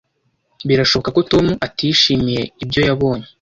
Birashoboka ko Tom atishimiye ibyo yabonye.